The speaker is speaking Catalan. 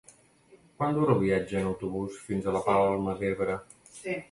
Quant dura el viatge en autobús fins a la Palma d'Ebre?